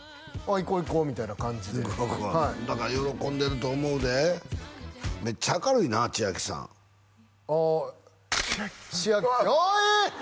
「行こう行こう」みたいな感じで「行こう行こう」だから喜んでると思うでめっちゃ明るいなちあきさんああちあきえ！？